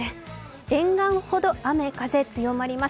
沿岸ほど雨風強まります。